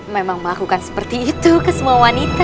memang melakukan seperti itu ke semua wanita